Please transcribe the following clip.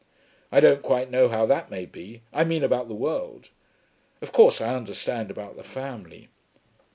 "I don't quite know how that may be; I mean about the world. Of course I understand about the family."